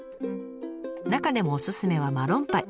中でもおすすめはマロンパイ。